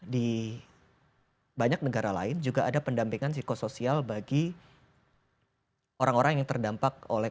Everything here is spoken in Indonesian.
di banyak negara lain juga ada pendampingan psikosoial bagi orang orang yang terdampak oleh